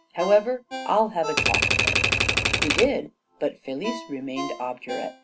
14 However, I'll have a talk with her." * He did, but Felice remained obdurate.